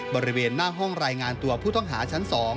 บริเวณหน้าห้องรายงานตัวผู้ต้องหาชั้น๒